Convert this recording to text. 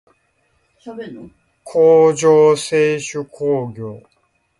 工場制手工業